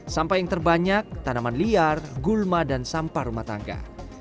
sampah yang terbanyak tanaman liar gulma dan sampah rumah tangga